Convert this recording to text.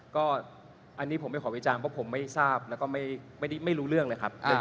ก็อันนี้ผมไม่ขอวิจารณ์เพราะผมไม่ทราบแล้วก็ไม่รู้เรื่องเลยครับ